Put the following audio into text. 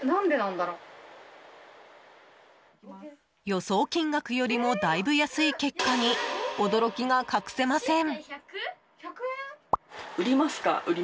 予想金額よりもだいぶ安い結果に驚きが隠せません。